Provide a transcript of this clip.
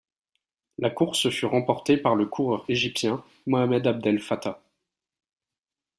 La course fut remportée par le coureur Égypten Mohamed Abdel-Fatah.